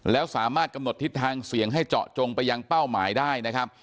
แล้วสามารถกำหนดทิศทางเสียงให้เจาะจงไปยังเป้าหมายได้นะครับ